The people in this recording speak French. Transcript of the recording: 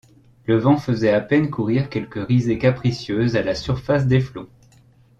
Le vent faisait à peine courir quelques risées capricieuses à la surface des flots.